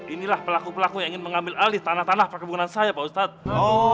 inilah pelaku pelaku yang ingin mengambil alih tanah tanah perkebunan saya pak ustadz